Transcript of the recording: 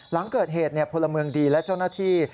หลังเกิดเหตุพลเมืองดีและเจ้าหน้าที่